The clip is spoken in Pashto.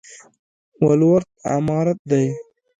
ولورت عمارت دی؟